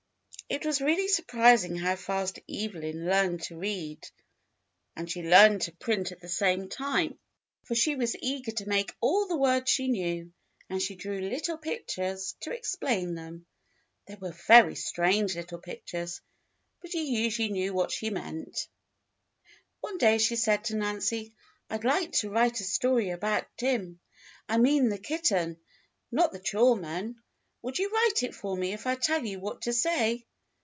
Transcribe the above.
It was really surprising how fast Evelyn learned to read, and she learned to print at the same time, THE STORY 103 for she was eager to make all the words she knew; and she drew little pictures to explain them. They were very strange little pictures, but you usually knew what she meant. One day she said to Nancy: "I'd like to write a story about Tim. I mean the kitten, not the chore man. Would you write it for me if I tell you what to say.?"